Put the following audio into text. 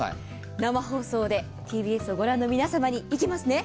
生放送でＴＢＳを御覧の皆様にいきますね。